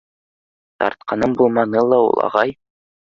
— Тартҡаным булманы ла ул, ағай.